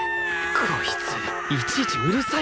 こいついちいちうるさいな